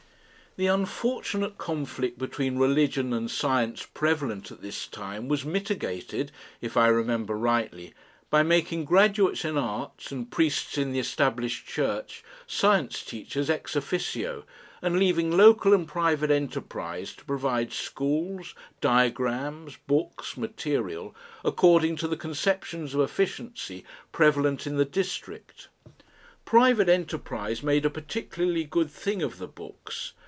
The unfortunate conflict between Religion and Science prevalent at this time was mitigated, if I remember rightly, by making graduates in arts and priests in the established church Science Teachers EX OFFICIO, and leaving local and private enterprise to provide schools, diagrams, books, material, according to the conceptions of efficiency prevalent in the district. Private enterprise made a particularly good thing of the books.